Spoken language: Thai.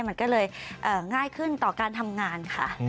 มันก็เลยง่ายขึ้นต่อการทำงานค่ะ